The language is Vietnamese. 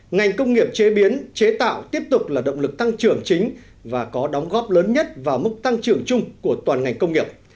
ngành công nghiệp chế biến chế tạo tiếp tục là động lực tăng trưởng chính và có đóng góp lớn nhất vào mức tăng trưởng chung của toàn ngành công nghiệp